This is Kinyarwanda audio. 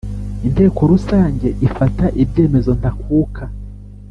Inteko Rusange ifata ibyemezo ntakuka